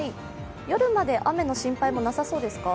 夜まで雨の心配もなさそうですか？